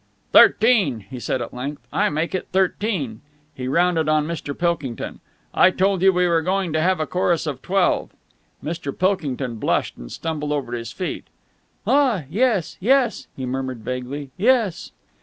"Thirteen," he said at length. "I make it thirteen." He rounded on Mr. Pilkington. "I told you we were going to have a chorus of twelve." Mr. Pilkington blushed and stumbled over his feet. "Ah, yes ... yes," he murmured vaguely. "Yes!"